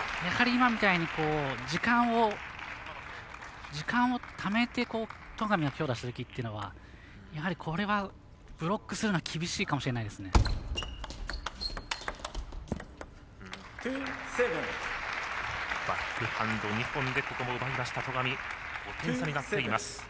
やはり、今みたいに時間をためて戸上が強打するときっていうのはやはり、これはブロックするのは厳しいかもしれないです。